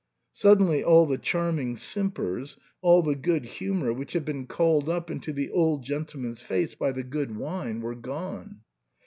Suddenly all the charming simpers, all the good hu mour which had been called up into the old gentleman's face by the good wine, were gone.